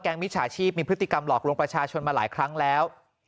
มิจฉาชีพมีพฤติกรรมหลอกลวงประชาชนมาหลายครั้งแล้ว